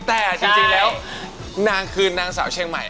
แต่จริงแล้วนางคือนางสาวเชียงใหม่